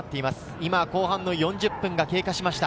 今、後半４０分が経過しました。